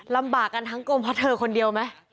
ลำบากกันทั้งกลมเพราะเธอคนเดียวไหม